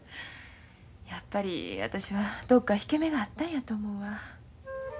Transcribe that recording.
やっぱり私はどこか引け目があったんやと思うわ。